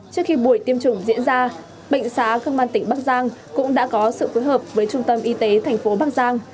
trước khi buổi tiêm chủng diễn ra bệnh xá công an tỉnh bắc giang cũng đã có sự phối hợp với trung tâm y tế thành phố bắc giang